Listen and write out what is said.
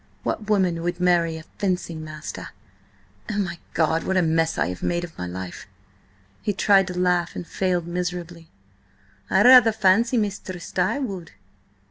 What woman would marry a fencing master? Oh, my God! what a mess I have made of my life." He tried to laugh and failed miserably. "I rather fancy Mistress Di would."